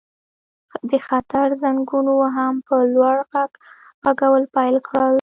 د خطر زنګونو هم په لوړ غږ غږول پیل کړل